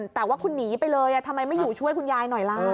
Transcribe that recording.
แต่ว่าคุณหนีไปเลยทำไมไม่อยู่ช่วยคุณยายหน่อยล่ะ